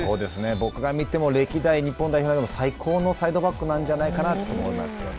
僕が見ても歴代日本代表の中でも最高のサイドバックなんじゃないかなと思いますよね。